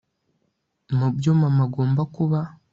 mubyo mama agomba kuba